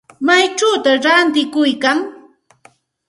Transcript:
¿Maychawta ratikuykan?